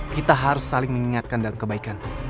kita harus saling mengingatkan dalam kebaikan